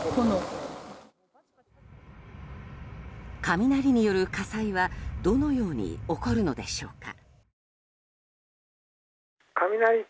雷による火災はどのように起こるのでしょうか。